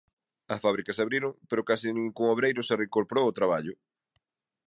As fábricas abriron pero case ningún obreiro se reincorporou ao traballo.